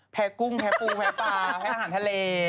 กุ้งแพ้ปูแพ้ปลาแพ้อาหารทะเล